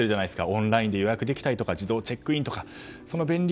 オンラインで予約できたり自動チェックインとか。